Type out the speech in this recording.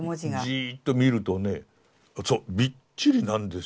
じっと見るとねそうびっちりなんですよ。